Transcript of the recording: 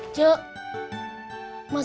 ada apa sih